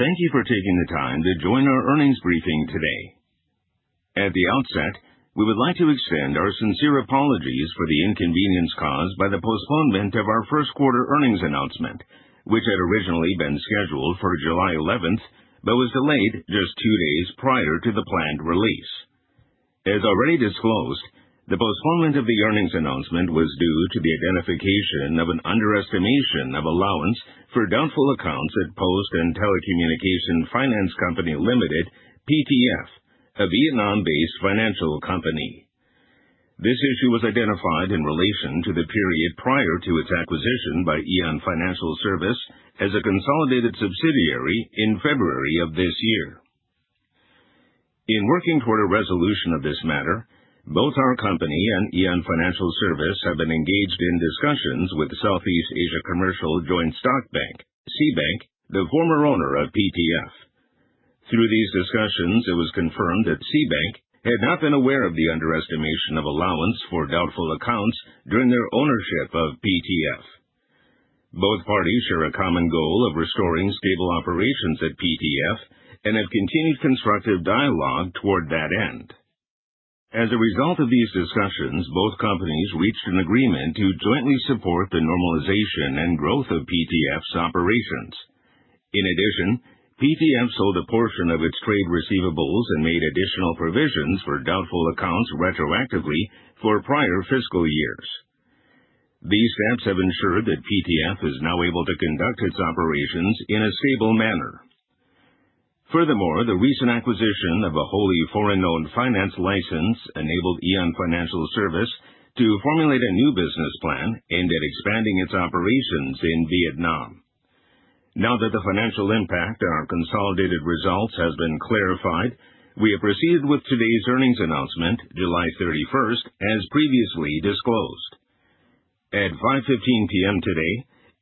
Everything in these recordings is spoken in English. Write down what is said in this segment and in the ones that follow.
Thank you for taking the time to join our earnings briefing today. At the outset, we would like to extend our sincere apologies for the inconvenience caused by the postponement of our first quarter earnings announcement, which had originally been scheduled for July 11, but was delayed just two days prior to the planned release. As already disclosed, the postponement of the earnings announcement was due to the identification of an underestimation of allowance for doubtful accounts at Post and Telecommunication Finance Company Limited, PTF, a Vietnam-based financial company. This issue was identified in relation to the period prior to its acquisition by AEON Financial Service as a consolidated subsidiary in February of this year. In working toward a resolution of this matter, both our company and AEON Financial Service have been engaged in discussions with Southeast Asia Commercial Joint Stock Bank, SeABank, the former owner of PTF. Through these discussions, it was confirmed that SeABank had not been aware of the underestimation of allowance for doubtful accounts during their ownership of PTF. Both parties share a common goal of restoring stable operations at PTF and have continued constructive dialogue toward that end. As a result of these discussions, both companies reached an agreement to jointly support the normalization and growth of PTF's operations. In addition, PTF sold a portion of its trade receivables and made additional provisions for doubtful accounts retroactively for prior fiscal years. These steps have ensured that PTF is now able to conduct its operations in a stable manner. Furthermore, the recent acquisition of a wholly foreign-owned finance license enabled AEON Financial Service to formulate a new business plan aimed at expanding its operations in Vietnam. Now that the financial impact on our consolidated results has been clarified, we have proceeded with today's earnings announcement, July 31, as previously disclosed. At 5:15 P.M. today,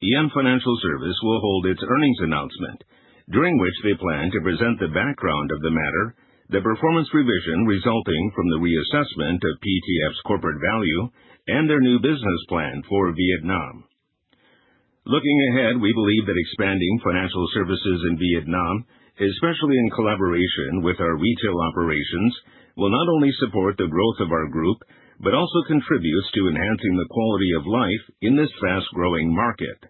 AEON Financial Service will hold its earnings announcement, during which they plan to present the background of the matter, the performance revision resulting from the reassessment of PTF's corporate value, and their new business plan for Vietnam. Looking ahead, we believe that expanding financial services in Vietnam, especially in collaboration with our retail operations, will not only support the growth of our group, but also contributes to enhancing the quality of life in this fast-growing market.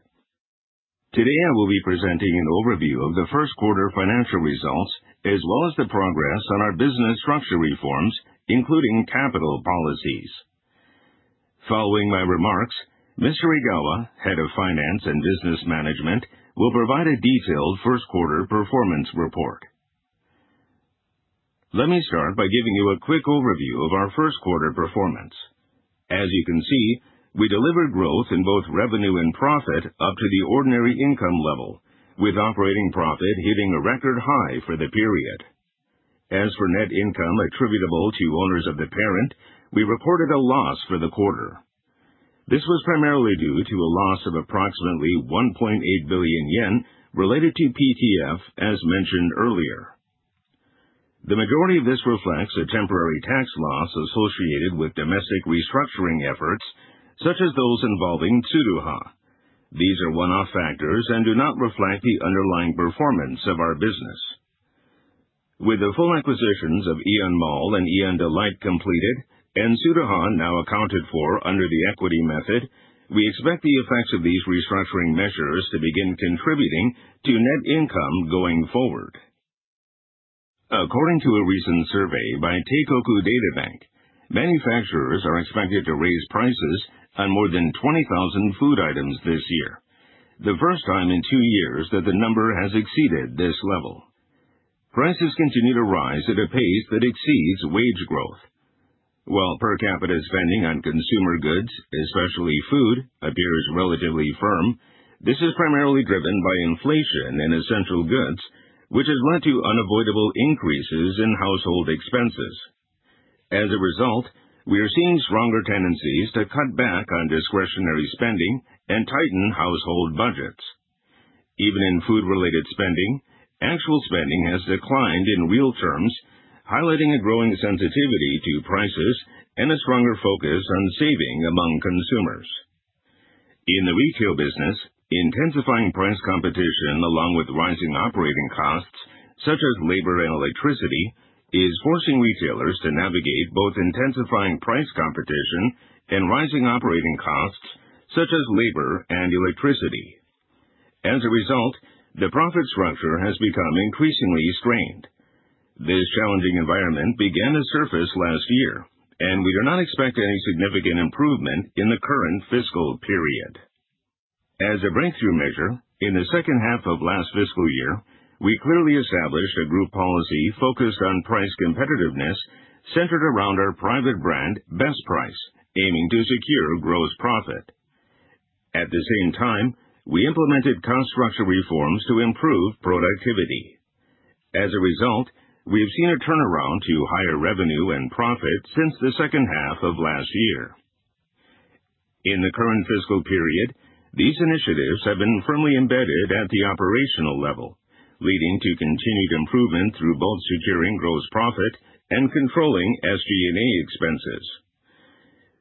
Today, I will be presenting an overview of the first quarter financial results as well as the progress on our business structure reforms, including capital policies. Following my remarks, Mr. Igawa, Head of Finance and Business Management, will provide a detailed first-quarter performance report. Let me start by giving you a quick overview of our first-quarter performance. As you can see, we delivered growth in both revenue and profit up to the ordinary income level, with operating profit hitting a record high for the period. As for net income attributable to owners of the parent, we reported a loss for the quarter. This was primarily due to a loss of approximately 1.8 billion yen related to PTF, as mentioned earlier. The majority of this reflects a temporary tax loss associated with domestic restructuring efforts, such as those involving Tsuruha. These are one-off factors and do not reflect the underlying performance of our business. With the full acquisitions of AEON Mall and AEON Delight completed, and Tsuruha now accounted for under the equity method, we expect the effects of these restructuring measures to begin contributing to net income going forward. According to a recent survey by Teikoku Databank, Ltd., manufacturers are expected to raise prices on more than 20,000 food items this year, the first time in two years that the number has exceeded this level. Prices continue to rise at a pace that exceeds wage growth. While per capita spending on consumer goods, especially food, appears relatively firm, this is primarily driven by inflation in essential goods, which has led to unavoidable increases in household expenses. As a result, we are seeing stronger tendencies to cut back on discretionary spending and tighten household budgets. Even in food-related spending, actual spending has declined in real terms, highlighting a growing sensitivity to prices and a stronger focus on saving among consumers. In the retail business, intensifying price competition, along with rising operating costs such as labor and electricity, is forcing retailers to navigate both intensifying price competition and rising operating costs, such as labor and electricity. As a result, the profit structure has become increasingly strained. This challenging environment began to surface last year, and we do not expect any significant improvement in the current fiscal period. As a breakthrough measure, in the second half of last fiscal year, we clearly established a group policy focused on price competitiveness centered around our private brand, Best Price, aiming to secure gross profit. At the same time, we implemented cost structure reforms to improve productivity. As a result, we have seen a turnaround to higher revenue and profit since the second half of last year. In the current fiscal period, these initiatives have been firmly embedded at the operational level, leading to continued improvement through both securing gross profit and controlling SG&A expenses.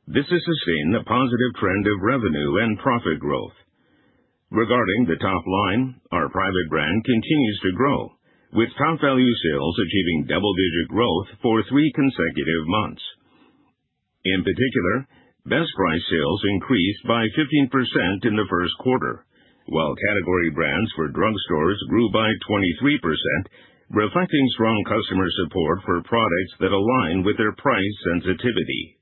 This has sustained a positive trend of revenue and profit growth. Regarding the top line, our private brand continues to grow, with Topvalu sales achieving double-digit growth for three consecutive months. In particular, Best Price sales increased by 15% in the first quarter, while category brands for drugstores grew by 23%, reflecting strong customer support for products that align with their price sensitivity.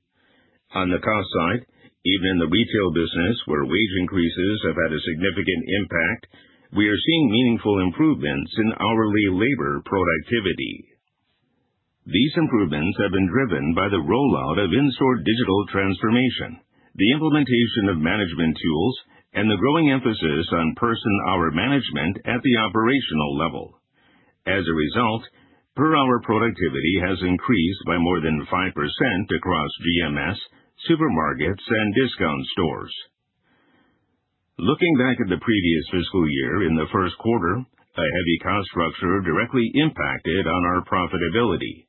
On the cost side, even in the retail business where wage increases have had a significant impact, we are seeing meaningful improvements in hourly labor productivity. These improvements have been driven by the rollout of in-store digital transformation, the implementation of management tools, and the growing emphasis on person-hour management at the operational level. As a result, per-hour productivity has increased by more than 5% across GMS, supermarkets, and discount stores. Looking back at the previous fiscal year, in the first quarter, a heavy cost structure directly impacted on our profitability.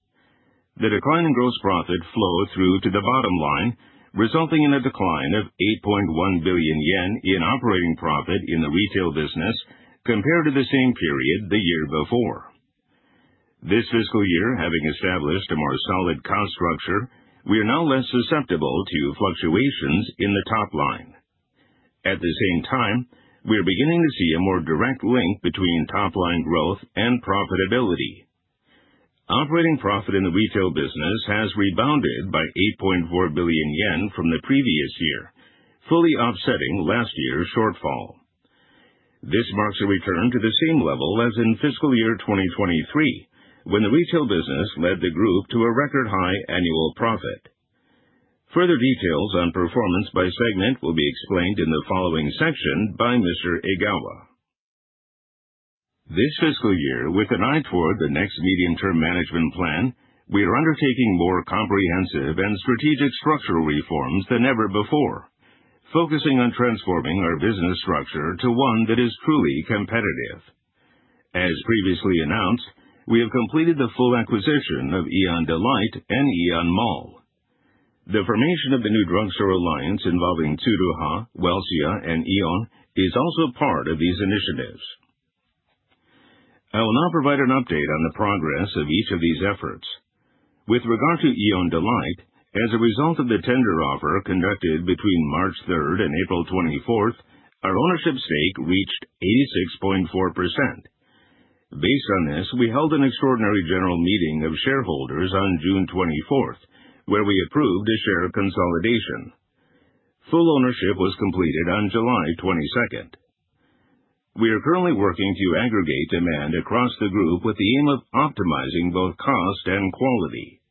The decline in gross profit flowed through to the bottom line, resulting in a decline of 8.1 billion yen in operating profit in the retail business compared to the same period the year before. This fiscal year, having established a more solid cost structure, we are now less susceptible to fluctuations in the top line. At the same time, we are beginning to see a more direct link between top-line growth and profitability. Operating profit in the retail business has rebounded by 8.4 billion yen from the previous year, fully offsetting last year’s shortfall. This marks a return to the same level as in fiscal year 2023, when the retail business led the group to a record high annual profit. Further details on performance by segment will be explained in the following section by Mr. Egawa. This fiscal year, with an eye toward the next medium-term management plan, we are undertaking more comprehensive and strategic structural reforms than ever before, focusing on transforming our business structure to one that is truly competitive. As previously announced, we have completed the full acquisition of AEON DELIGHT and AEON MALL. The formation of the new drugstore alliance involving Tsuruha, Welcia, and Aeon is also part of these initiatives. I will now provide an update on the progress of each of these efforts. With regard to AEON DELIGHT, as a result of the tender offer conducted between March 3rd and April 24th, our ownership stake reached 86.4%. Based on this, we held an extraordinary general meeting of shareholders on June 24th, where we approved a share consolidation. Full ownership was completed on July 22nd. We are currently working to aggregate demand across the group with the aim of optimizing both cost and quality.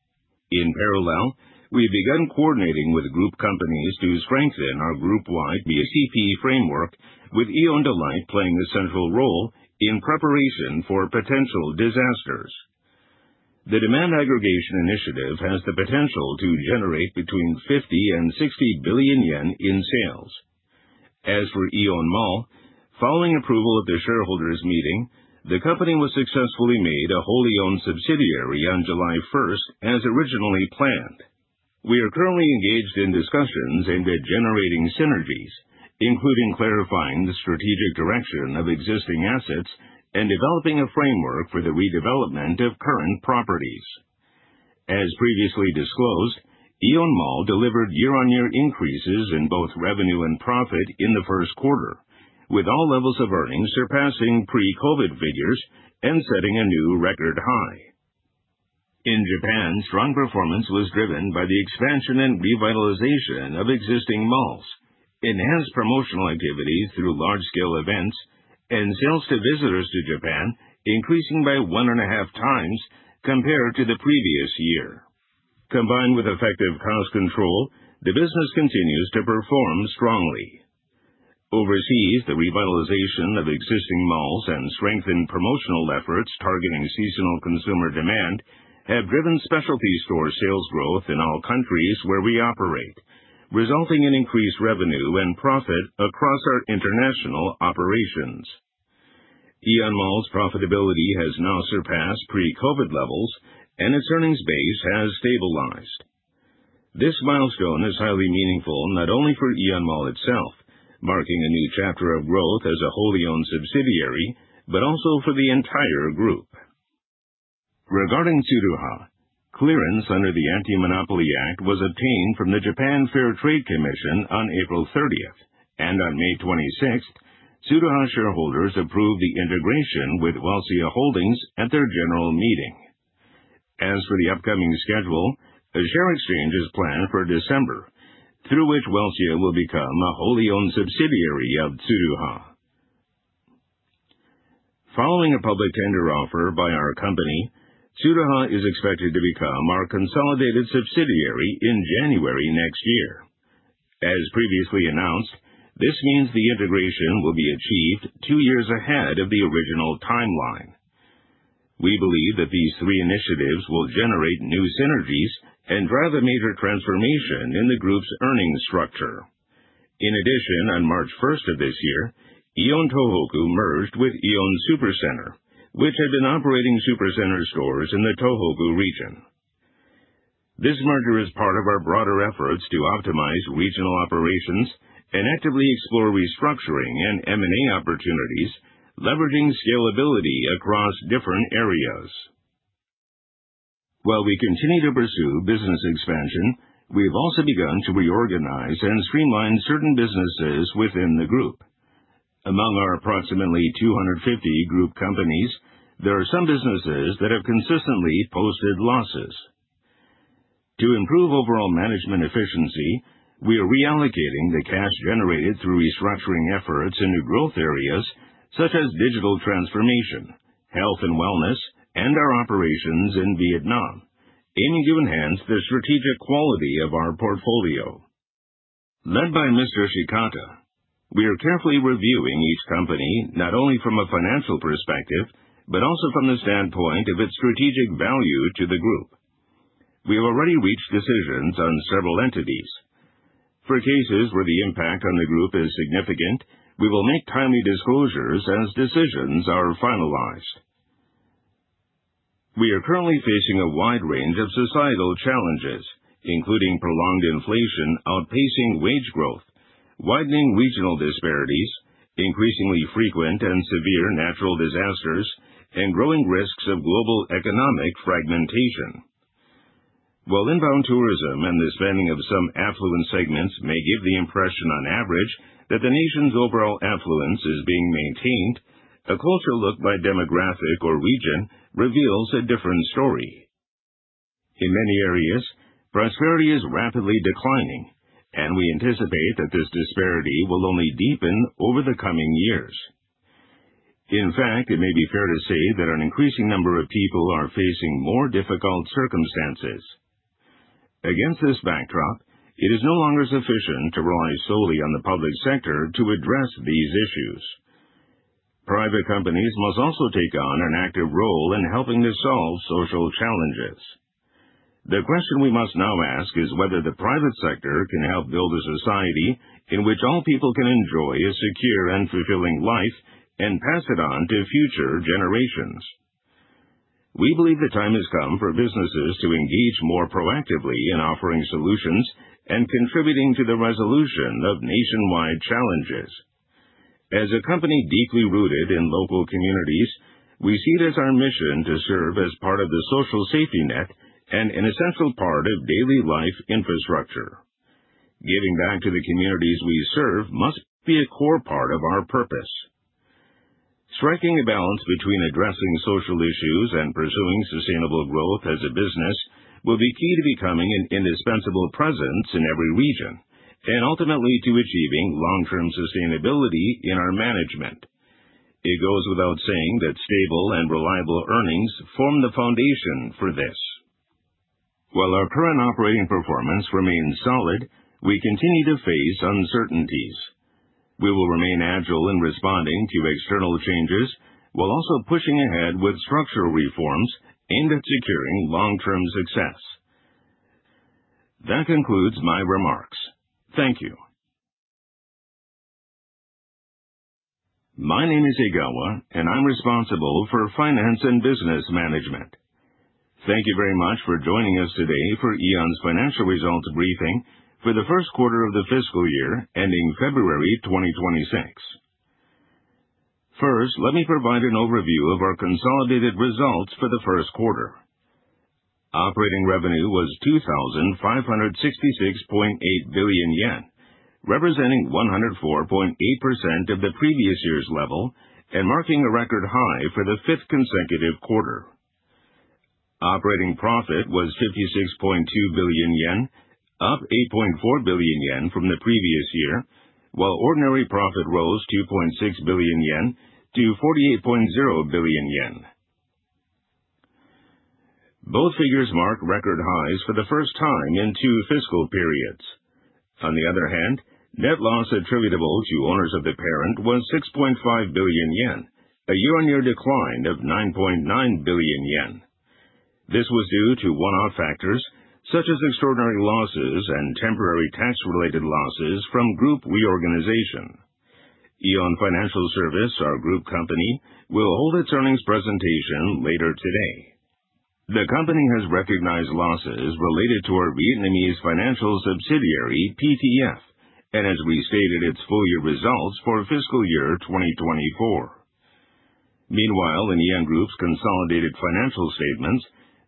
In parallel, we have begun coordinating with group companies to strengthen our group-wide BCP framework, with AEON DELIGHT playing a central role in preparation for potential disasters. The demand aggregation initiative has the potential to generate between 50 billion and 60 billion yen in sales. As for AEON MALL, following approval at the shareholders' meeting, the company was successfully made a wholly owned subsidiary on July 1st, as originally planned. We are currently engaged in discussions aimed at generating synergies, including clarifying the strategic direction of existing assets and developing a framework for the redevelopment of current properties. As previously disclosed, AEON MALL delivered year-on-year increases in both revenue and profit in the first quarter, with all levels of earnings surpassing pre-COVID figures and setting a new record high. In Japan, strong performance was driven by the expansion and revitalization of existing malls, enhanced promotional activity through large-scale events, and sales to visitors to Japan increasing by 1.5 times compared to the previous year. Combined with effective cost control, the business continues to perform strongly. Overseas, the revitalization of existing malls and strengthened promotional efforts targeting seasonal consumer demand have driven specialty store sales growth in all countries where we operate, resulting in increased revenue and profit across our international operations. AEON MALL’s profitability has now surpassed pre-COVID levels, and its earnings base has stabilized. This milestone is highly meaningful not only for AEON MALL itself, marking a new chapter of growth as a wholly owned subsidiary, but also for the entire group. Regarding Tsuruha, clearance under the Anti-Monopoly Act was obtained from the Japan Fair Trade Commission on April 30th, and on May 26th, Tsuruha shareholders approved the integration with Welcia Holdings at their general meeting. As for the upcoming schedule, a share exchange is planned for December, through which Welcia will become a wholly owned subsidiary of Tsuruha. Following a public tender offer by our company, Tsuruha is expected to become our consolidated subsidiary in January next year. As previously announced, this means the integration will be achieved 2 years ahead of the original timeline. We believe that these three initiatives will generate new synergies and drive a major transformation in the group’s earnings structure. In addition, on March 1st of this year, AEON Tohoku merged with AEON Supercenter, which had been operating Supercenter stores in the Tohoku region. This merger is part of our broader efforts to optimize regional operations and actively explore restructuring and M&A opportunities, leveraging scalability across different areas. While we continue to pursue business expansion, we've also begun to reorganize and streamline certain businesses within the group. Among our approximately 250 group companies, there are some businesses that have consistently posted losses. To improve overall management efficiency, we are reallocating the cash generated through restructuring efforts into growth areas such as digital transformation, health and wellness, and our operations in Vietnam, aiming to enhance the strategic quality of our portfolio. Led by Mr. Shikata, we are carefully reviewing each company, not only from a financial perspective, but also from the standpoint of its strategic value to the group. We have already reached decisions on several entities. For cases where the impact on the group is significant, we will make timely disclosures as decisions are finalized. We are currently facing a wide range of societal challenges, including prolonged inflation outpacing wage growth, widening regional disparities, increasingly frequent and severe natural disasters, and growing risks of global economic fragmentation. While inbound tourism and the spending of some affluent segments may give the impression on average that the nation's overall affluence is being maintained, a closer look by demographic or region reveals a different story. In many areas, prosperity is rapidly declining, and we anticipate that this disparity will only deepen over the coming years. In fact, it may be fair to say that an increasing number of people are facing more difficult circumstances. Against this backdrop, it is no longer sufficient to rely solely on the public sector to address these issues. Private companies must also take on an active role in helping to solve social challenges. The question we must now ask is whether the private sector can help build a society in which all people can enjoy a secure and fulfilling life and pass it on to future generations. We believe the time has come for businesses to engage more proactively in offering solutions and contributing to the resolution of nationwide challenges. As a company deeply rooted in local communities, we see it as our mission to serve as part of the social safety net and an essential part of daily life infrastructure. Giving back to the communities we serve must be a core part of our purpose. Striking a balance between addressing social issues and pursuing sustainable growth as a business will be key to becoming an indispensable presence in every region and ultimately to achieving long-term sustainability in our management. It goes without saying that stable and reliable earnings form the foundation for this. While our current operating performance remains solid, we continue to face uncertainties. We will remain agile in responding to external changes while also pushing ahead with structural reforms aimed at securing long-term success. That concludes my remarks. Thank you. My name is Egawa, and I'm responsible for finance and business management. Thank you very much for joining us today for AEON's financial results briefing for the first quarter of the fiscal year ending February 2026. First, let me provide an overview of our consolidated results for the first quarter. Operating revenue was 2,566.8 billion yen, representing 104.8% of the previous year's level and marking a record high for the fifth consecutive quarter. Operating profit was 56.2 billion yen, up 8.4 billion yen from the previous year, while ordinary profit rose 2.6 billion yen to 48.0 billion yen. Both figures mark record highs for the first time in two fiscal periods. On the other hand, net loss attributable to owners of the parent was 6.5 billion yen, a year-on-year decline of 9.9 billion yen. This was due to one-off factors such as extraordinary losses and temporary tax-related losses from group reorganization. Aeon Financial Service, our group company, will hold its earnings presentation later today. The company has recognized losses related to our Vietnamese financial subsidiary, PTF, and has restated its full-year results for fiscal year 2024. In Aeon Group's consolidated financial statements,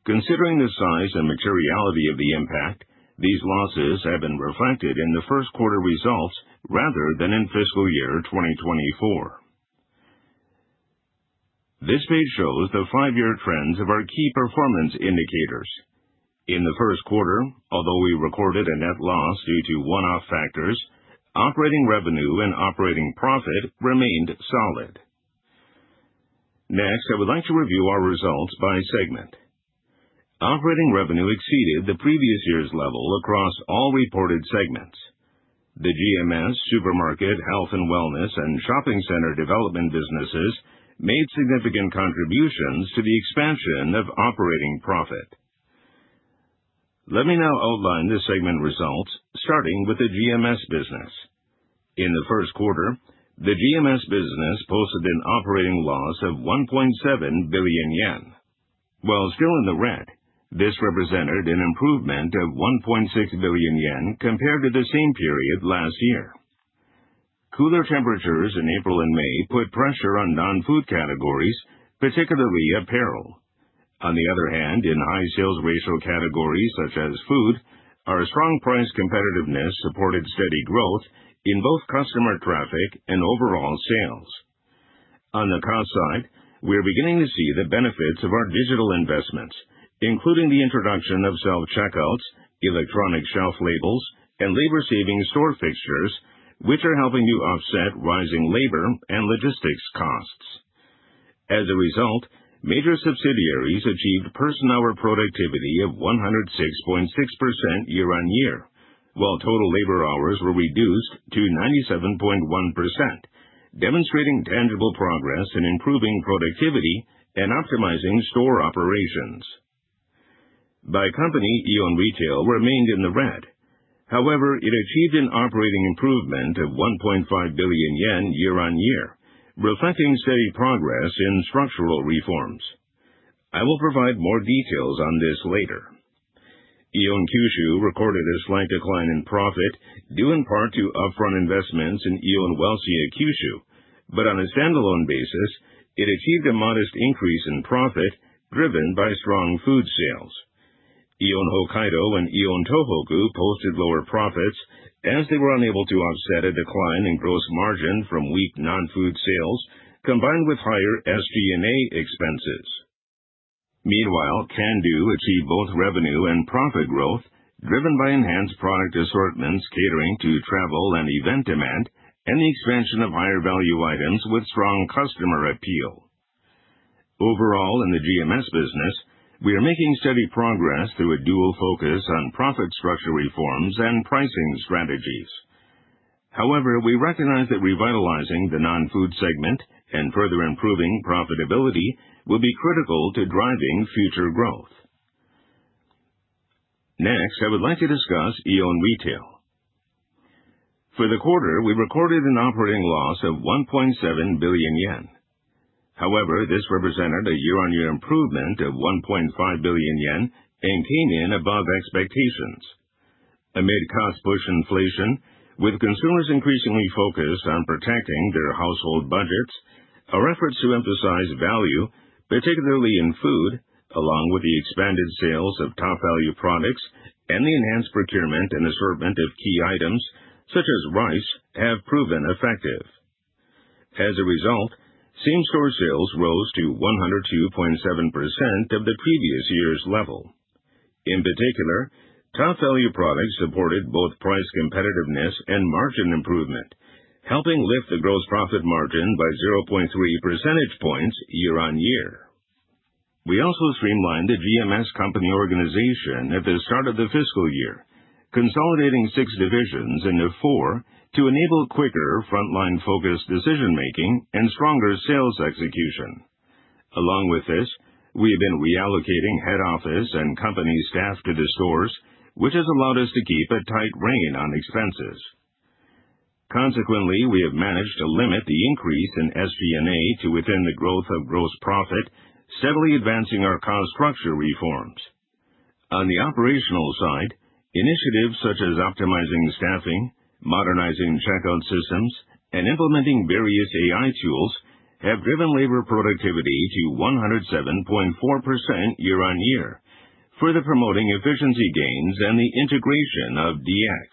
considering the size and materiality of the impact, these losses have been reflected in the first quarter results rather than in fiscal year 2024. This page shows the five-year trends of our key performance indicators. In the first quarter, although we recorded a net loss due to one-off factors, operating revenue and operating profit remained solid. Next, I would like to review our results by segment. Operating revenue exceeded the previous year's level across all reported segments. The GMS, Supermarket, Health & Wellness, and Shopping Center Development businesses made significant contributions to the expansion of operating profit. Let me now outline the segment results, starting with the GMS business. In the first quarter, the GMS business posted an operating loss of 1.7 billion yen. While still in the red, this represented an improvement of 1.6 billion yen compared to the same period last year. Cooler temperatures in April and May put pressure on non-food categories, particularly apparel. In high sales ratio categories such as food, our strong price competitiveness supported steady growth in both customer traffic and overall sales. We are beginning to see the benefits of our digital investments, including the introduction of self-checkouts, electronic shelf labels, and labor-saving store fixtures, which are helping to offset rising labor and logistics costs. As a result, major subsidiaries achieved person-hour productivity of 106.6% year-on-year, while total labor hours were reduced to 97.1%, demonstrating tangible progress in improving productivity and optimizing store operations. Aeon Retail remained in the red. It achieved an operating improvement of 1.5 billion yen year-on-year, reflecting steady progress in structural reforms. I will provide more details on this later. Aeon Kyushu recorded a slight decline in profit, due in part to upfront investments in Aeon Welcia Kyushu, but on a standalone basis, it achieved a modest increase in profit, driven by strong food sales. Aeon Hokkaido and Aeon Tohoku posted lower profits as they were unable to offset a decline in gross margin from weak non-food sales, combined with higher SG&A expenses. Can Do achieved both revenue and profit growth, driven by enhanced product assortments catering to travel and event demand, and the expansion of higher-value items with strong customer appeal. In the GMS business, we are making steady progress through a dual focus on profit structure reforms and pricing strategies. We recognize that revitalizing the non-food segment and further improving profitability will be critical to driving future growth. I would like to discuss Aeon Retail. For the quarter, we recorded an operating loss of 1.7 billion yen. However, this represented a year-on-year improvement of 1.5 billion yen and came in above expectations. Amid cost-push inflation, with consumers increasingly focused on protecting their household budgets, our efforts to emphasize value, particularly in food, along with the expanded sales of Topvalu products and the enhanced procurement and assortment of key items such as rice, have proven effective. As a result, same-store sales rose to 102.7% of the previous year’s level. In particular, Topvalu products supported both price competitiveness and margin improvement, helping lift the gross profit margin by 0.3 percentage points year-on-year. We also streamlined the GMS company organization at the start of the fiscal year, consolidating 6 divisions into 4 to enable quicker, frontline-focused decision-making and stronger sales execution. Along with this, we have been reallocating head office and company staff to the stores, which has allowed us to keep a tight rein on expenses. Consequently, we have managed to limit the increase in SG&A to within the growth of gross profit, steadily advancing our cost structure reforms. On the operational side, initiatives such as optimizing staffing, modernizing checkout systems, and implementing various AI tools have driven labor productivity to 107.4% year-on-year, further promoting efficiency gains and the integration of DX.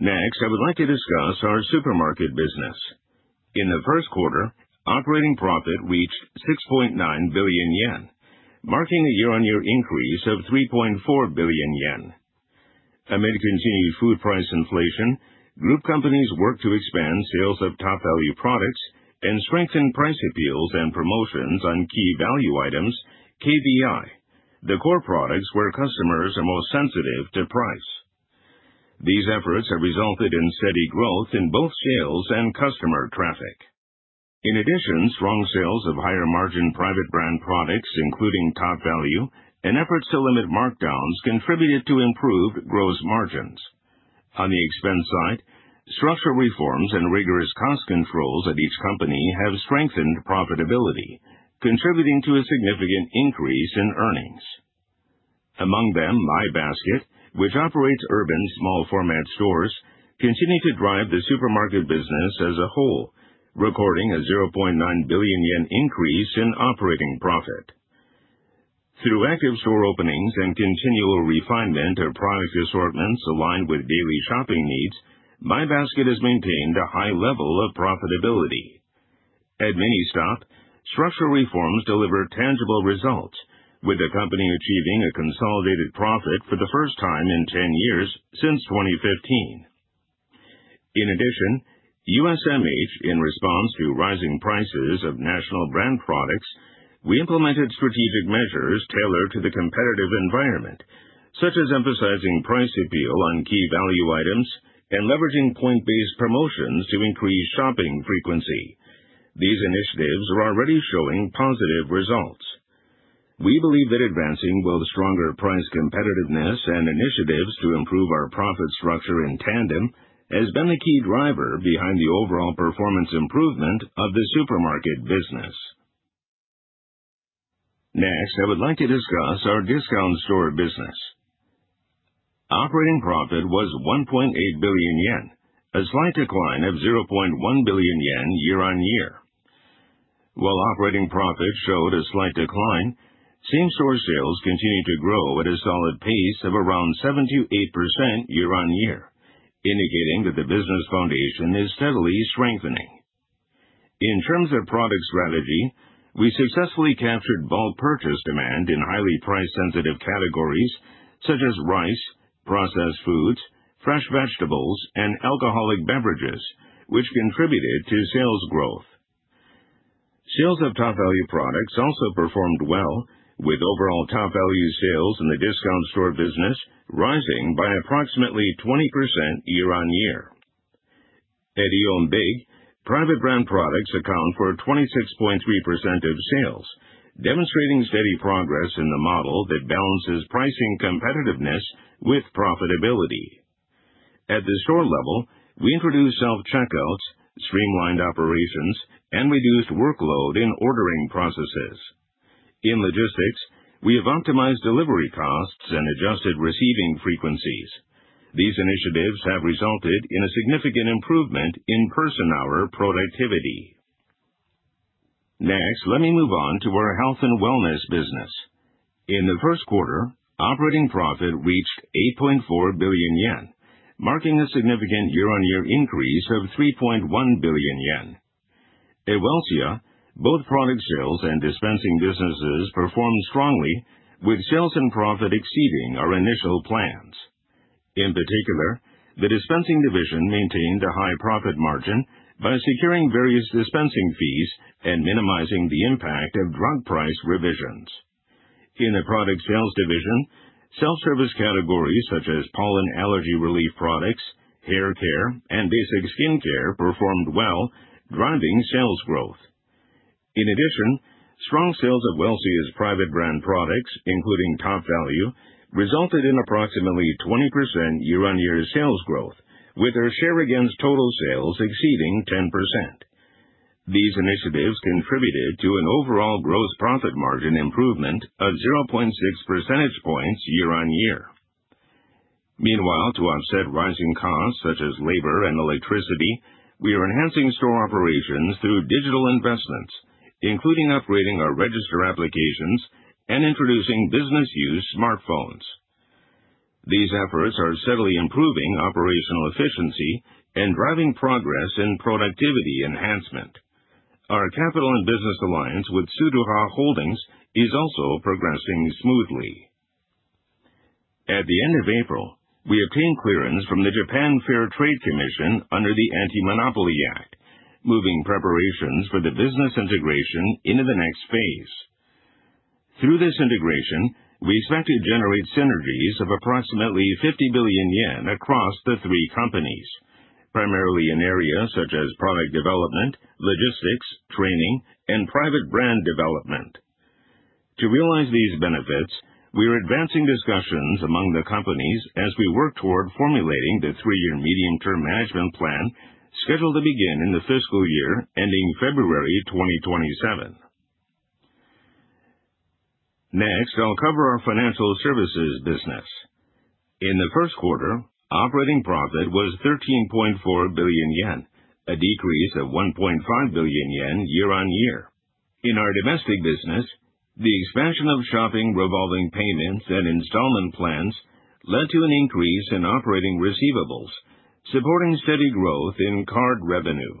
Next, I would like to discuss our supermarket business. In the first quarter, operating profit reached 6.9 billion yen, marking a year-on-year increase of 3.4 billion yen. Amid continued food price inflation, group companies worked to expand sales of Topvalu products and strengthen price appeals and promotions on key-value items, KVI, the core products where customers are most sensitive to price. These efforts have resulted in steady growth in both sales and customer traffic. In addition, strong sales of higher-margin private brand products, including Topvalu and efforts to limit markdowns, contributed to improved gross margins. On the expense side, structural reforms and rigorous cost controls at each company have strengthened profitability, contributing to a significant increase in earnings. Among them, My Basket, which operates urban small-format stores, continued to drive the supermarket business as a whole, recording a 0.9 billion yen increase in operating profit. Through active store openings and continual refinement of product assortments aligned with daily shopping needs, My Basket has maintained a high level of profitability. At Ministop, structural reforms delivered tangible results, with the company achieving a consolidated profit for the first time in 10 years since 2015. In addition, USMH, in response to rising prices of national brand products, we implemented strategic measures tailored to the competitive environment, such as emphasizing price appeal on key-value items. Leveraging point-based promotions to increase shopping frequency, these initiatives are already showing positive results. We believe that advancing both stronger price competitiveness and initiatives to improve our profit structure in tandem has been the key driver behind the overall performance improvement of the supermarket business. Next, I would like to discuss our discount store business. Operating profit was 1.8 billion yen, a slight decline of 0.1 billion yen year-on-year. While operating profit showed a slight decline, same-store sales continued to grow at a solid pace of around 7%-8% year-on-year, indicating that the business foundation is steadily strengthening. In terms of product strategy, we successfully captured bulk purchase demand in highly price-sensitive categories such as rice, processed foods, fresh vegetables, and alcoholic beverages, which contributed to sales growth. Sales of Topvalu products also performed well, with overall Topvalu sales in the discount store business rising by approximately 20% year-on-year. At AEON BiG, private brand products account for 26.3% of sales, demonstrating steady progress in the model that balances pricing competitiveness with profitability. At the store level, we introduced self-checkouts, streamlined operations, and reduced workload in ordering processes. In logistics, we have optimized delivery costs and adjusted receiving frequencies. These initiatives have resulted in a significant improvement in person-hour productivity. Next, let me move on to our health and wellness business. In the first quarter, operating profit reached 8.4 billion yen, marking a significant year-on-year increase of 3.1 billion yen. At Welcia, both product sales and dispensing businesses performed strongly, with sales and profit exceeding our initial plans. In particular, the dispensing division maintained a high profit margin by securing various dispensing fees and minimizing the impact of drug price revisions. In the product sales division, self-service categories such as pollen allergy relief products, hair care, and basic skincare performed well, driving sales growth. In addition, strong sales of Welcia's private brand products, including Topvalu, resulted in approximately 20% year-on-year sales growth, with their share against total sales exceeding 10%. These initiatives contributed to an overall gross profit margin improvement of 0.6 percentage points year-on-year. Meanwhile, to offset rising costs such as labor and electricity, we are enhancing store operations through digital investments, including upgrading our register applications and introducing business-use smartphones. These efforts are steadily improving operational efficiency and driving progress in productivity enhancement. Our capital and business alliance with Sudoh Holdings is also progressing smoothly. At the end of April, we obtained clearance from the Japan Fair Trade Commission under the Anti-Monopoly Act, moving preparations for the business integration into the next phase. Through this integration, we expect to generate synergies of approximately 50 billion yen across the three companies, primarily in areas such as product development, logistics, training, and private brand development. To realize these benefits, we are advancing discussions among the companies as we work toward formulating the three-year medium-term management plan scheduled to begin in the fiscal year ending February 2027. Next, I'll cover our financial services business. In the first quarter, operating profit was 13.4 billion yen, a decrease of 1.5 billion yen year-on-year. In our domestic business, the expansion of shopping revolving payments and installment plans led to an increase in operating receivables, supporting steady growth in card revenue.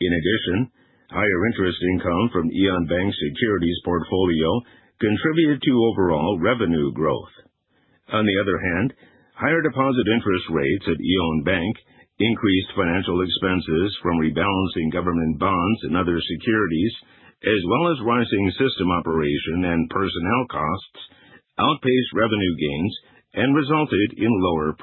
In addition, higher interest income from AEON Bank's securities portfolio contributed to overall revenue growth. On the other hand, higher deposit interest rates at AEON Bank increased financial expenses from rebalancing government bonds and other securities, as well as rising system operation and personnel costs outpaced revenue gains and resulted in lower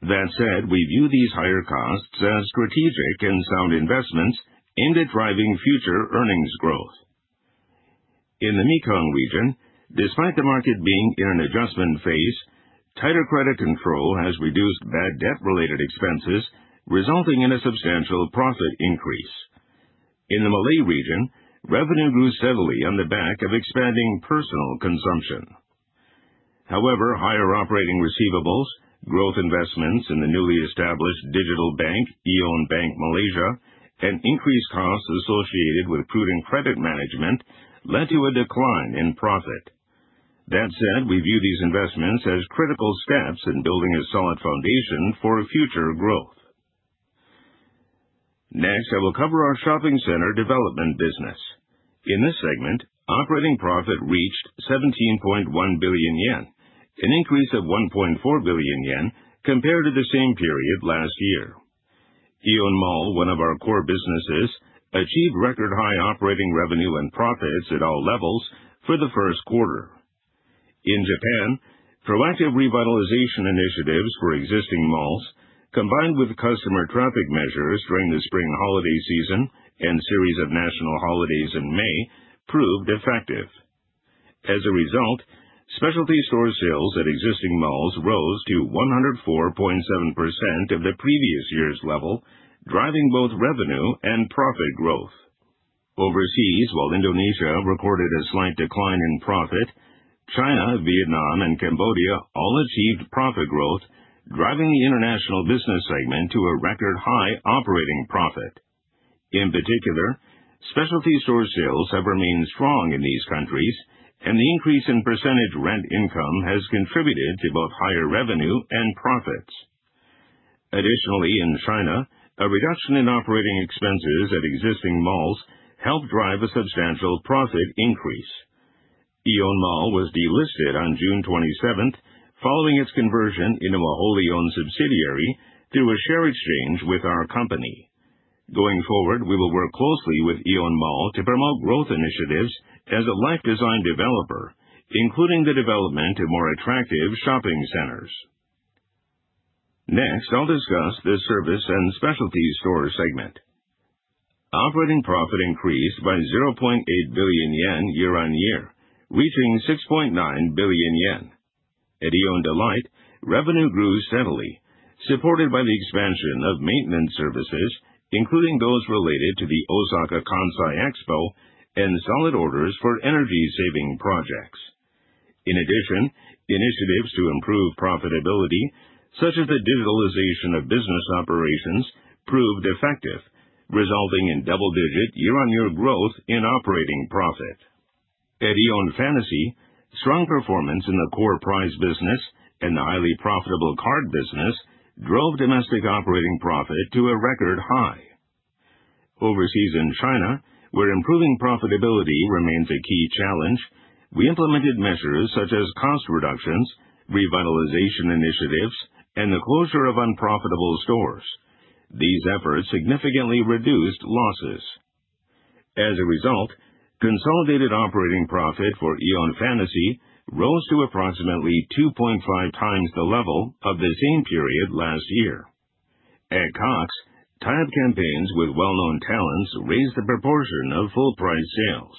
profit. That said, we view these higher costs as strategic and sound investments into driving future earnings growth. In the Mekong region, despite the market being in an adjustment phase, tighter credit control has reduced bad debt-related expenses, resulting in a substantial profit increase. In the Malay region, revenue grew steadily on the back of expanding personal consumption. Higher operating receivables, growth investments in the newly established digital bank, AEON Bank Malaysia, and increased costs associated with prudent credit management led to a decline in profit. That said, we view these investments as critical steps in building a solid foundation for future growth. Next, I will cover our shopping center development business. In this segment, operating profit reached 17.1 billion yen, an increase of 1.4 billion yen compared to the same period last year. AEON Mall, one of our core businesses, achieved record high operating revenue and profits at all levels for the first quarter. In Japan, proactive revitalization initiatives for existing malls, combined with customer traffic measures during the spring holiday season and series of national holidays in May proved effective. As a result, specialty store sales at existing malls rose to 104.7% of the previous year's level, driving both revenue and profit growth. Overseas, while Indonesia recorded a slight decline in profit, China, Vietnam, and Cambodia all achieved profit growth, driving the international business segment to a record high operating profit. In particular, specialty store sales have remained strong in these countries, and the increase in percentage rent income has contributed to both higher revenue and profits. Additionally, in China, a reduction in operating expenses at existing malls helped drive a substantial profit increase. AEON Mall was delisted on June 27th, following its conversion into a wholly owned subsidiary through a share exchange with our company. Going forward, we will work closely with AEON Mall to promote growth initiatives as a life design developer, including the development of more attractive shopping centers. Next, I'll discuss the service and specialty store segment. Operating profit increased by 0.8 billion yen year-on-year, reaching 6.9 billion yen. At AEON Delight, revenue grew steadily, supported by the expansion of maintenance services, including those related to the Osaka Kansai Expo and solid orders for energy-saving projects. In addition, initiatives to improve profitability, such as the digitalization of business operations, proved effective, resulting in double-digit year-on-year growth in operating profit. At AEON Fantasy, strong performance in the core prize business and the highly profitable card business drove domestic operating profit to a record high. Overseas in China, where improving profitability remains a key challenge, we implemented measures such as cost reductions, revitalization initiatives, and the closure of unprofitable stores. These efforts significantly reduced losses. As a result, consolidated operating profit for AEON Fantasy rose to approximately 2.5 times the level of the same period last year. At Cox, tied campaigns with well-known talents raised the proportion of full price sales.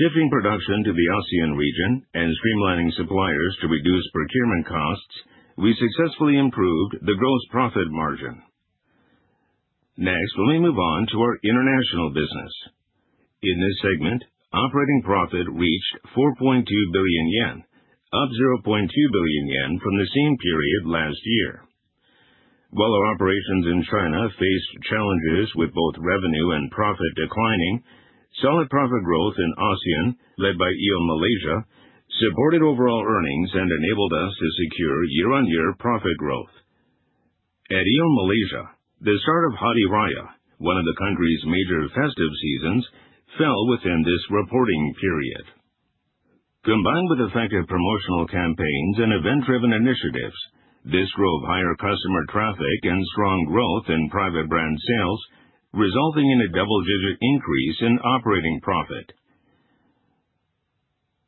Shifting production to the ASEAN region and streamlining suppliers to reduce procurement costs, we successfully improved the gross profit margin. Next, let me move on to our international business. In this segment, operating profit reached 4.2 billion yen, up 0.2 billion yen from the same period last year. While our operations in China faced challenges with both revenue and profit declining, solid profit growth in ASEAN, led by AEON Malaysia, supported overall earnings and enabled us to secure year-on-year profit growth. At AEON Malaysia, the start of Hari Raya, one of the country's major festive seasons, fell within this reporting period. Combined with effective promotional campaigns and event-driven initiatives, this drove higher customer traffic and strong growth in private brand sales, resulting in a double-digit increase in operating profit.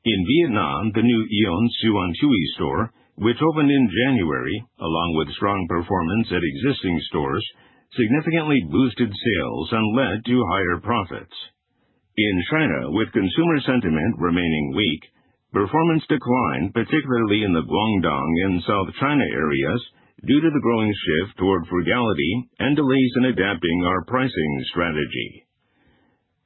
In Vietnam, the new Aeon Xuan Thuy store, which opened in January, along with strong performance at existing stores, significantly boosted sales and led to higher profits. In China, with consumer sentiment remaining weak, performance declined, particularly in the Guangdong and South China areas, due to the growing shift toward frugality and delays in adapting our pricing strategy.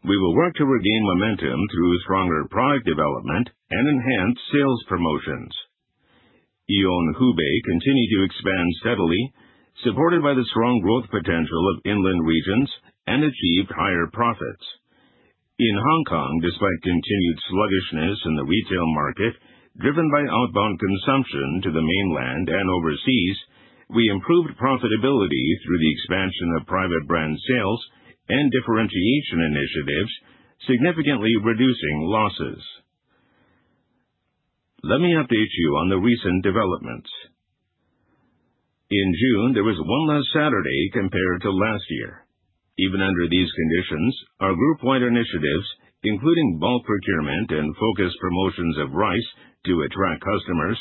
We will work to regain momentum through stronger product development and enhanced sales promotions. AEON Hubei continued to expand steadily, supported by the strong growth potential of inland regions, and achieved higher profits. In Hong Kong, despite continued sluggishness in the retail market, driven by outbound consumption to the mainland and overseas, we improved profitability through the expansion of private brand sales and differentiation initiatives, significantly reducing losses. Let me update you on the recent developments. In June, there was one less Saturday compared to last year. Even under these conditions, our group-wide initiatives, including bulk procurement and focused promotions of rice to attract customers,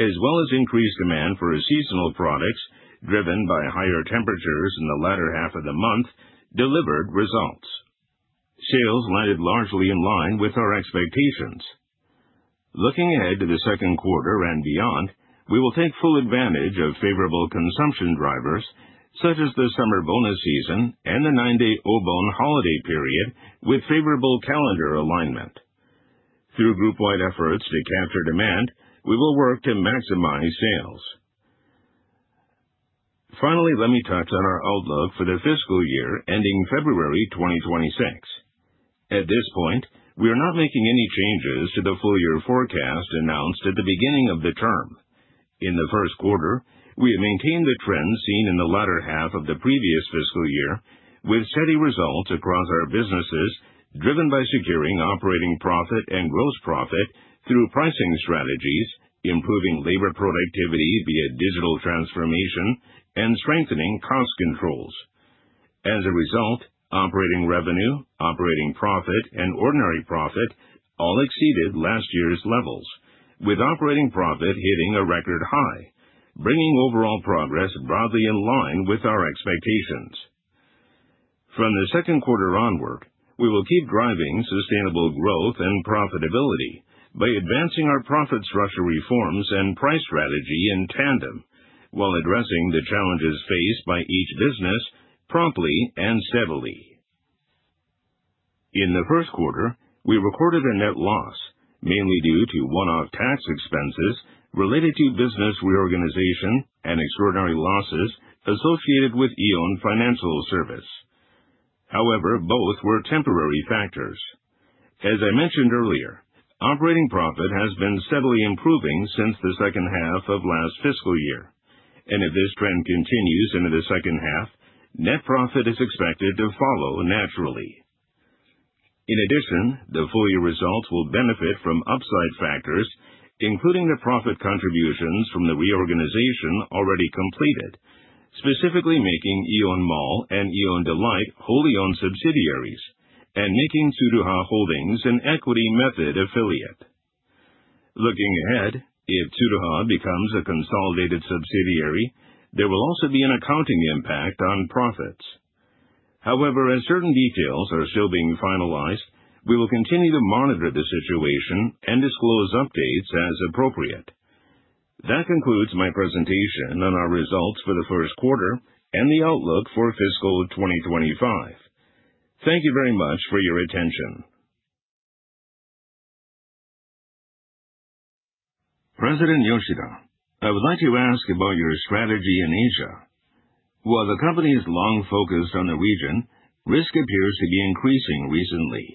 as well as increased demand for seasonal products driven by higher temperatures in the latter half of the month, delivered results. Sales landed largely in line with our expectations. Looking ahead to the second quarter and beyond, we will take full advantage of favorable consumption drivers such as the summer bonus season and the nine-day Obon holiday period with favorable calendar alignment. Through group-wide efforts to capture demand, we will work to maximize sales. Finally, let me touch on our outlook for the fiscal year ending February 2026. At this point, we are not making any changes to the full-year forecast announced at the beginning of the term. In the first quarter, we have maintained the trend seen in the latter half of the previous fiscal year with steady results across our businesses, driven by securing operating profit and gross profit through pricing strategies, improving labor productivity via digital transformation, and strengthening cost controls. As a result, operating revenue, operating profit, and ordinary profit all exceeded last year's levels, with operating profit hitting a record high, bringing overall progress broadly in line with our expectations. From the second quarter onward, we will keep driving sustainable growth and profitability by advancing our profit structure reforms and price strategy in tandem, while addressing the challenges faced by each business promptly and steadily. In the first quarter, we recorded a net loss, mainly due to one-off tax expenses related to business reorganization and extraordinary losses associated with AEON Financial Service. However, both were temporary factors. As I mentioned earlier, operating profit has been steadily improving since the second half of last fiscal year, and if this trend continues into the second half, net profit is expected to follow naturally. In addition, the full-year results will benefit from upside factors, including the profit contributions from the reorganization already completed, specifically making AEON Mall and AEON Delight wholly owned subsidiaries and making Tsuruha Holdings an equity method affiliate. Looking ahead, if Tsuruha becomes a consolidated subsidiary, there will also be an accounting impact on profits. However, as certain details are still being finalized, we will continue to monitor the situation and disclose updates as appropriate. That concludes my presentation on our results for the first quarter and the outlook for fiscal 2025. Thank you very much for your attention. President Yoshida, I would like to ask about your strategy in Asia. While the company has long focused on the region, risk appears to be increasing recently.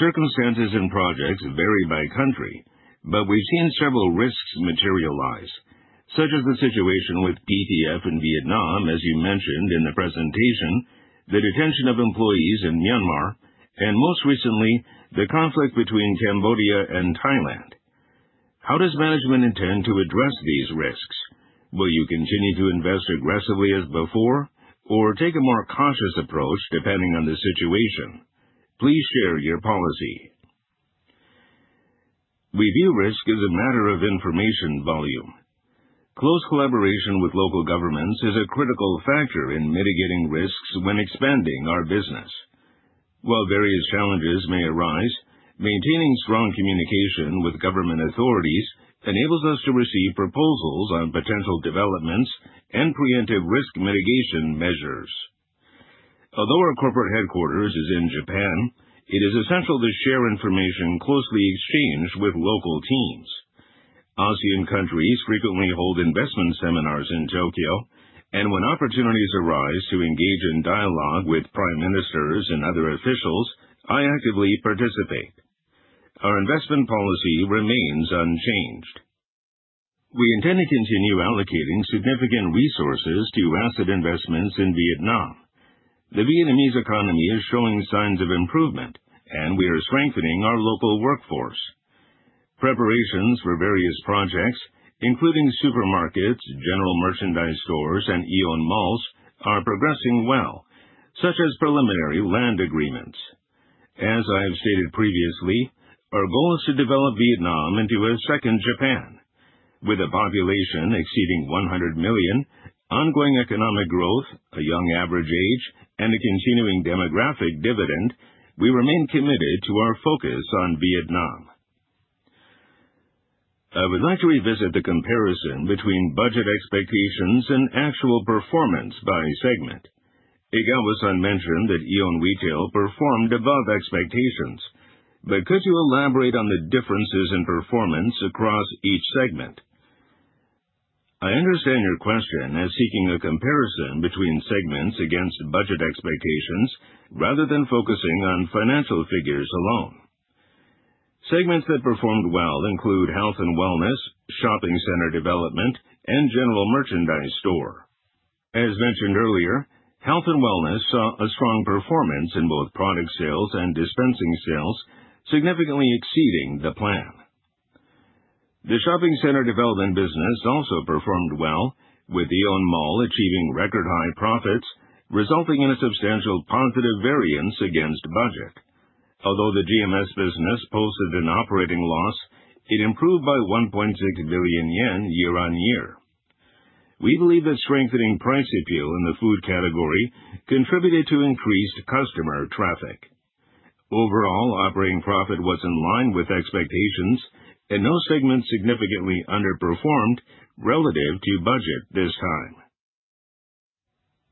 Circumstances and projects vary by country, but we've seen several risks materialize, such as the situation with PTF in Vietnam, as you mentioned in the presentation, the detention of employees in Myanmar, and most recently, the conflict between Cambodia and Thailand. How does management intend to address these risks? Will you continue to invest aggressively as before or take a more cautious approach depending on the situation? Please share your policy. We view risk as a matter of information volume. Close collaboration with local governments is a critical factor in mitigating risks when expanding our business. While various challenges may arise, maintaining strong communication with government authorities enables us to receive proposals on potential developments and preemptive risk mitigation measures. Although our corporate headquarters is in Japan, it is essential to share information closely exchanged with local teams. ASEAN countries frequently hold investment seminars in Tokyo, and when opportunities arise to engage in dialogue with prime ministers and other officials, I actively participate. Our investment policy remains unchanged. We intend to continue allocating significant resources to asset investments in Vietnam. The Vietnamese economy is showing signs of improvement, and we are strengthening our local workforce. Preparations for various projects, including supermarkets, general merchandise stores, and AEON MALLs, are progressing well, such as preliminary land agreements. As I have stated previously, our goal is to develop Vietnam into a second Japan. With a population exceeding 100 million, ongoing economic growth, a young average age, and a continuing demographic dividend, we remain committed to our focus on Vietnam. I would like to revisit the comparison between budget expectations and actual performance by segment. Egawa-san mentioned that AEON Retail performed above expectations, but could you elaborate on the differences in performance across each segment? I understand your question as seeking a comparison between segments against budget expectations rather than focusing on financial figures alone. Segments that performed well include health and wellness, shopping center development, and general merchandise store. As mentioned earlier, health and wellness saw a strong performance in both product sales and dispensing sales, significantly exceeding the plan. The shopping center development business also performed well, with AEON MALL achieving record-high profits, resulting in a substantial positive variance against budget. Although the GMS business posted an operating loss, it improved by 1.6 billion yen year on year. We believe that strengthening price appeal in the food category contributed to increased customer traffic. Overall, operating profit was in line with expectations, and no segment significantly underperformed relative to budget this time.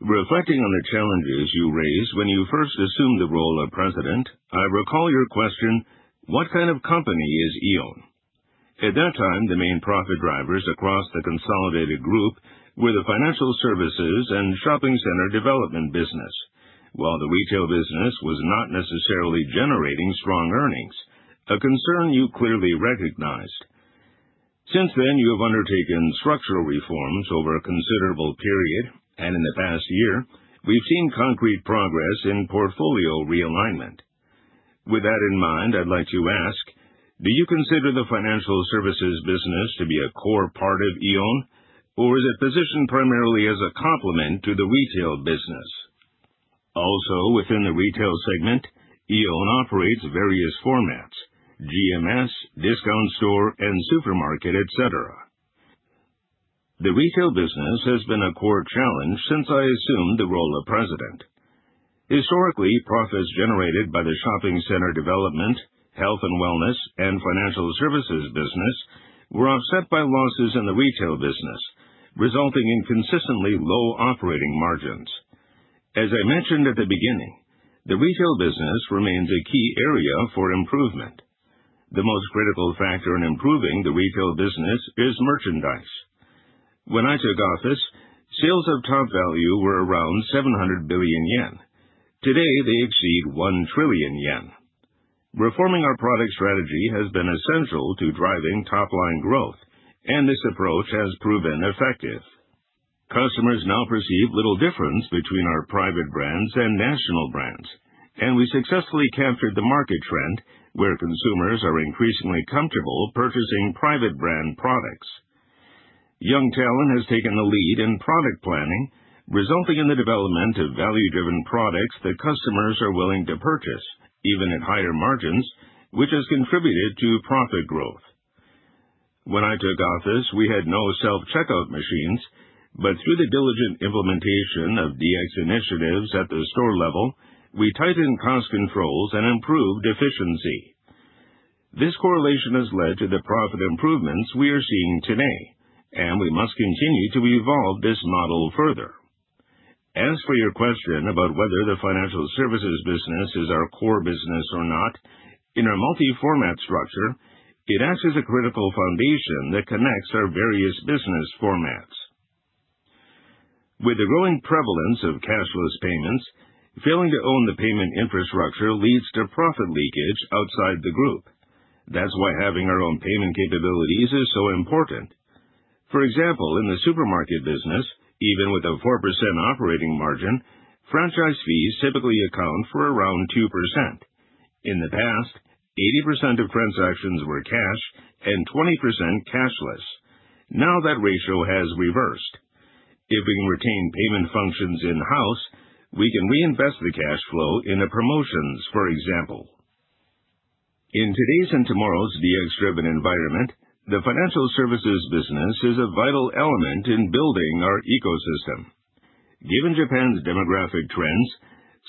Reflecting on the challenges you raised when you first assumed the role of president, I recall your question: What kind of company is Aeon? At that time, the main profit drivers across the consolidated group were the financial services and shopping center development business, while the retail business was not necessarily generating strong earnings, a concern you clearly recognized. Since then, you have undertaken structural reforms over a considerable period, and in the past year, we've seen concrete progress in portfolio realignment. With that in mind, I'd like to ask, do you consider the financial services business to be a core part of Aeon, or is it positioned primarily as a complement to the retail business? Also, within the retail segment, Aeon operates various formats: GMS, discount store, and supermarket, et cetera. The retail business has been a core challenge since I assumed the role of president. Historically, profits generated by the shopping center development, health and wellness, and financial services business were offset by losses in the retail business, resulting in consistently low operating margins. As I mentioned at the beginning, the retail business remains a key area for improvement. The most critical factor in improving the retail business is merchandise. When I took office, sales of Topvalu were around 700 billion yen. Today, they exceed 1 trillion yen. Reforming our product strategy has been essential to driving top-line growth, and this approach has proven effective. Customers now perceive little difference between our private brands and national brands, and we successfully captured the market trend where consumers are increasingly comfortable purchasing private brand products. Young talent has taken the lead in product planning, resulting in the development of value-driven products that customers are willing to purchase, even at higher margins, which has contributed to profit growth. When I took office, we had no self-checkout machines, but through the diligent implementation of DX initiatives at the store level, we tightened cost controls and improved efficiency. This correlation has led to the profit improvements we are seeing today, and we must continue to evolve this model further. As for your question about whether the financial services business is our core business or not, in our multi-format structure, it acts as a critical foundation that connects our various business formats. With the growing prevalence of cashless payments, failing to own the payment infrastructure leads to profit leakage outside the group. That's why having our own payment capabilities is so important. For example, in the supermarket business, even with a 4% operating margin, franchise fees typically account for around 2%. In the past, 80% of transactions were cash and 20% cashless. Now that ratio has reversed. If we can retain payment functions in-house, we can reinvest the cash flow into promotions, for example. In today's and tomorrow's DX-driven environment, the financial services business is a vital element in building our ecosystem. Given Japan's demographic trends,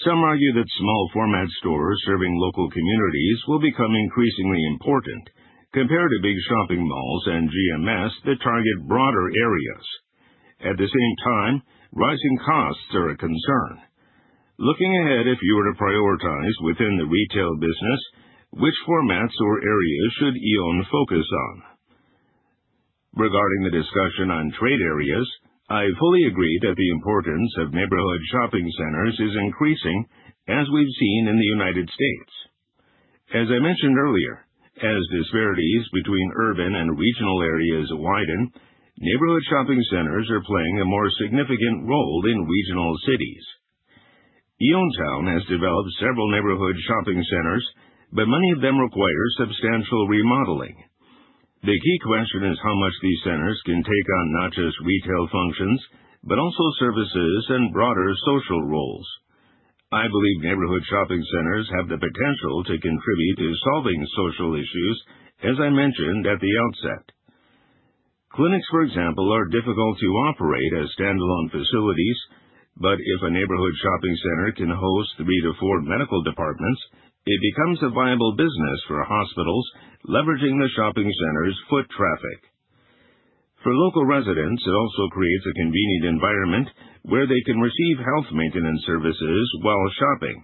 some argue that small format stores serving local communities will become increasingly important compared to big shopping malls and GMS that target broader areas. At the same time, rising costs are a concern. Looking ahead, if you were to prioritize within the retail business, which formats or areas should Aeon focus on? Regarding the discussion on trade areas, I fully agree that the importance of neighborhood shopping centers is increasing, as we've seen in the U.S. As I mentioned earlier, as disparities between urban and regional areas widen, neighborhood shopping centers are playing a more significant role in regional cities. Aeon Town has developed several neighborhood shopping centers, but many of them require substantial remodeling. The key question is how much these centers can take on not just retail functions, but also services and broader social roles. I believe neighborhood shopping centers have the potential to contribute to solving social issues, as I mentioned at the outset. Clinics, for example, are difficult to operate as standalone facilities, but if a neighborhood shopping center can host three to four medical departments, it becomes a viable business for hospitals leveraging the shopping center's foot traffic. For local residents, it also creates a convenient environment where they can receive health maintenance services while shopping.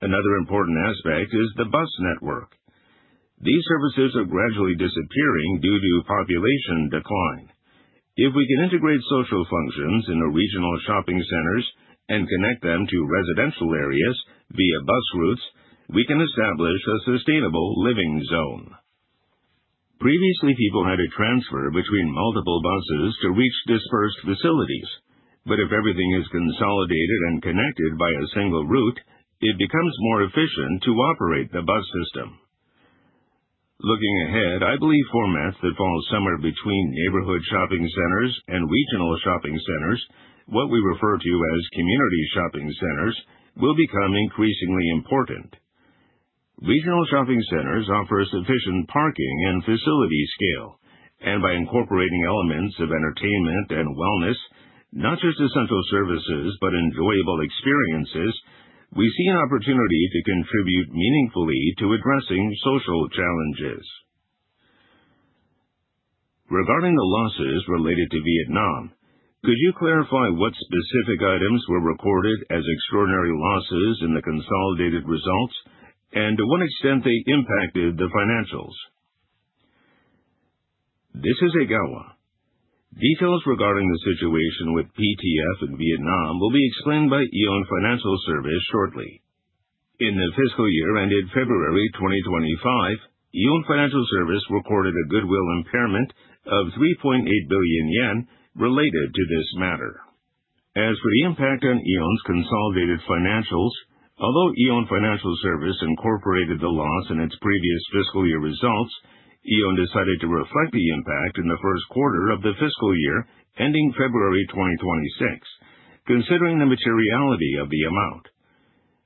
Another important aspect is the bus network. These services are gradually disappearing due to population decline. If we can integrate social functions into regional shopping centers and connect them to residential areas via bus routes, we can establish a sustainable living zone. Previously, people had to transfer between multiple buses to reach dispersed facilities. If everything is consolidated and connected by a single route, it becomes more efficient to operate the bus system. Looking ahead, I believe formats that fall somewhere between neighborhood shopping centers and regional shopping centers, what we refer to as community shopping centers, will become increasingly important. Regional shopping centers offer sufficient parking and facility scale, and by incorporating elements of entertainment and wellness, not just essential services, but enjoyable experiences, we see an opportunity to contribute meaningfully to addressing social challenges. Regarding the losses related to Vietnam, could you clarify what specific items were recorded as extraordinary losses in the consolidated results and to what extent they impacted the financials? This is Egawa. Details regarding the situation with PTF in Vietnam will be explained by AEON Financial Service shortly. In the fiscal year ended February 2025, AEON Financial Service reported a goodwill impairment of 3.8 billion yen related to this matter. As for the impact on Aeon's consolidated financials, although AEON Financial Service incorporated the loss in its previous fiscal year results, Aeon decided to reflect the impact in the first quarter of the fiscal year ending February 2026, considering the materiality of the amount.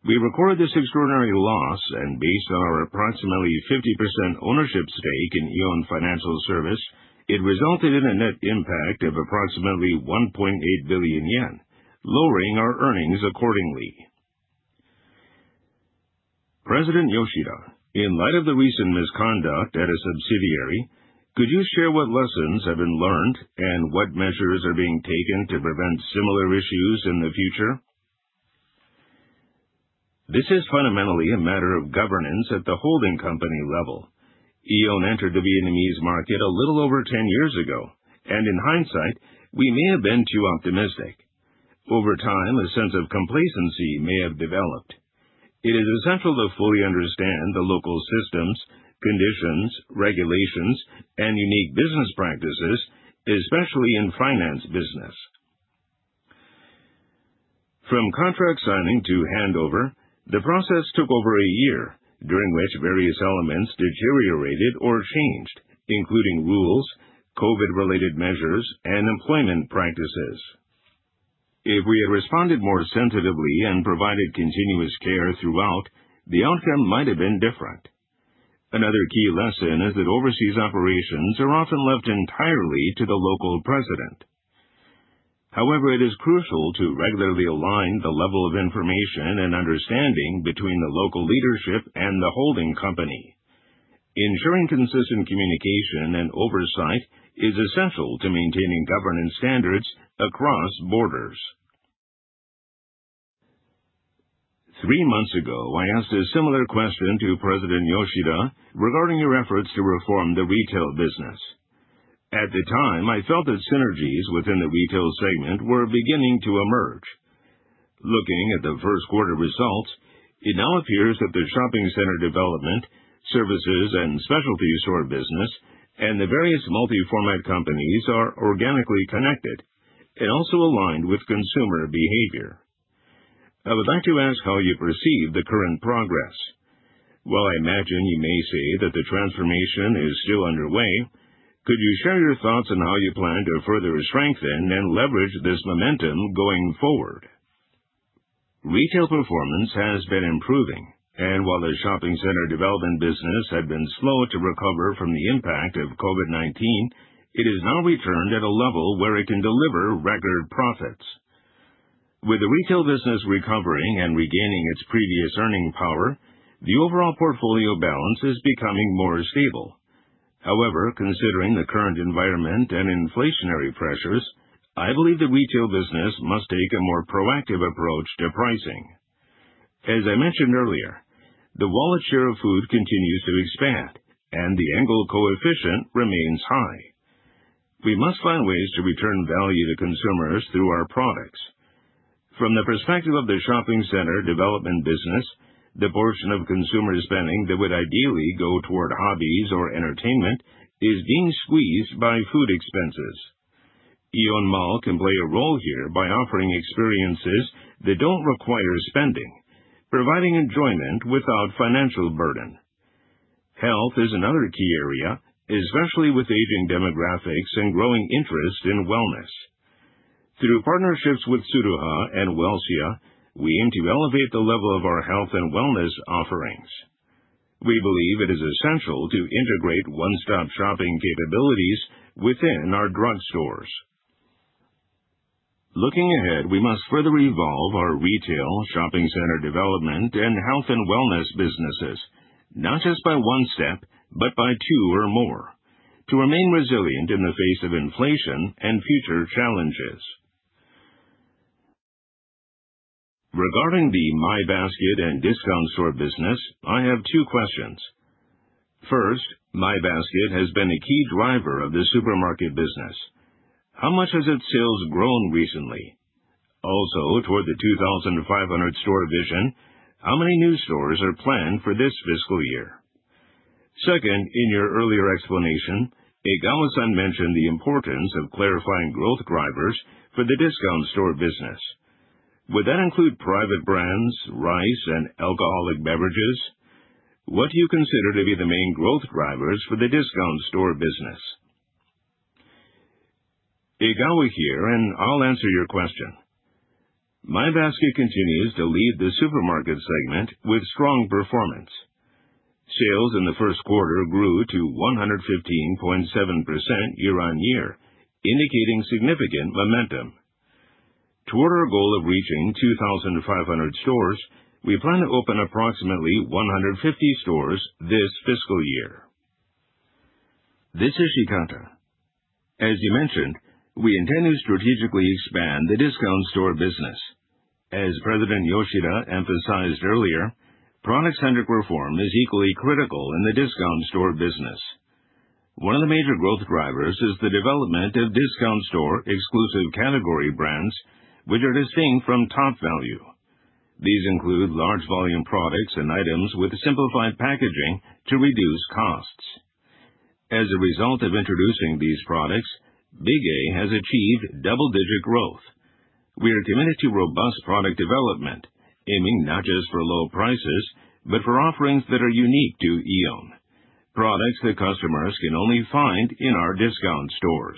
We recorded this extraordinary loss, and based on our approximately 50% ownership stake in AEON Financial Service, it resulted in a net impact of approximately 1.8 billion yen, lowering our earnings accordingly. President Yoshida, in light of the recent misconduct at a subsidiary, could you share what lessons have been learned and what measures are being taken to prevent similar issues in the future? This is fundamentally a matter of governance at the holding company level. Aeon entered the Vietnamese market a little over 10 years ago, and in hindsight, we may have been too optimistic. Over time, a sense of complacency may have developed. It is essential to fully understand the local systems, conditions, regulations, and unique business practices, especially in finance business. From contract signing to handover, the process took over a year, during which various elements deteriorated or changed, including rules, COVID-related measures, and employment practices. If we had responded more sensitively and provided continuous care throughout, the outcome might have been different. Another key lesson is that overseas operations are often left entirely to the local president. It is crucial to regularly align the level of information and understanding between the local leadership and the holding company. Ensuring consistent communication and oversight is essential to maintaining governance standards across borders. Three months ago, I asked a similar question to President Yoshida regarding your efforts to reform the retail business. At the time, I felt that synergies within the retail segment were beginning to emerge. Looking at the first quarter results, it now appears that the shopping center development, services and specialty store business, and the various multi-format companies are organically connected and also aligned with consumer behavior. I would like to ask how you perceive the current progress. While I imagine you may say that the transformation is still underway, could you share your thoughts on how you plan to further strengthen and leverage this momentum going forward? Retail performance has been improving, and while the shopping center development business had been slower to recover from the impact of COVID-19, it has now returned at a level where it can deliver record profits. With the retail business recovering and regaining its previous earning power, the overall portfolio balance is becoming more stable. However, considering the current environment and inflationary pressures, I believe the retail business must take a more proactive approach to pricing. As I mentioned earlier, the wallet share of food continues to expand, and the angle coefficient remains high. We must find ways to return value to consumers through our products. From the perspective of the shopping center development business, the portion of consumer spending that would ideally go toward hobbies or entertainment is being squeezed by food expenses. Aeon Mall can play a role here by offering experiences that don't require spending, providing enjoyment without financial burden. Health is another key area, especially with aging demographics and growing interest in wellness. Through partnerships with Tsuruha and Welcia, we aim to elevate the level of our health and wellness offerings. We believe it is essential to integrate one-stop shopping capabilities within our drugstores. Looking ahead, we must further evolve our retail, shopping center development, and health and wellness businesses, not just by one step, but by two or more, to remain resilient in the face of inflation and future challenges. Regarding the My Basket and Discount Store business, I have two questions. First, My Basket has been a key driver of the supermarket business. How much has its sales grown recently? Also, toward the 2,500 store vision, how many new stores are planned for this fiscal year? Second, in your earlier explanation, Egawa-san mentioned the importance of clarifying growth drivers for the discount store business. Would that include private brands, rice, and alcoholic beverages? What do you consider to be the main growth drivers for the discount store business? Egawa here, and I'll answer your question. My Basket continues to lead the supermarket segment with strong performance. Sales in the first quarter grew to 115.7% year-on-year, indicating significant momentum. Toward our goal of reaching 2,500 stores, we plan to open approximately 150 stores this fiscal year. This is Ikata. As you mentioned, we intend to strategically expand the discount store business. As President Yoshida emphasized earlier, product-centric reform is equally critical in the discount store business. One of the major growth drivers is the development of discount store exclusive category brands, which are distinct from Topvalu. These include large volume products and items with simplified packaging to reduce costs. As a result of introducing these products, Big-A has achieved double-digit growth. We are committed to robust product development, aiming not just for low prices, but for offerings that are unique to Aeon. Products that customers can only find in our discount stores.